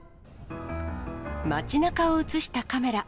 街なかを映したカメラ。